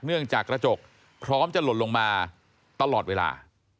เนื่องจากกระจกพร้อมจะหล่นลงมาตลอดเวลา